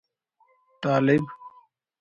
طالب